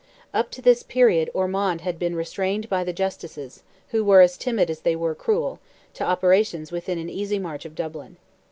Up to this period Ormond had been restrained by the Justices, who were as timid as they were cruel, to operations within an easy march of Dublin.